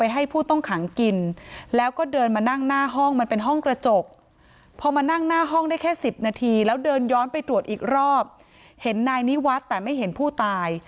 หน้าห้องมันเป็นห้องกระจกพอมานั่งหน้าห้องได้แค่สิบนาทีแล้วเดินย้อนไปตรวจอีกรอบเห็นนายนิวัตรแต่ไม่เห็นผู้ตาย